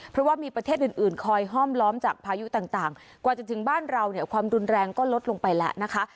เพราะว่ามีประเทศอื่นคอยห้อมล้อมจากพายุต่างกว่าจะถึงบ้านเราเนี่ยความรุนแรงก็ลดลงไปแล้วนะคะ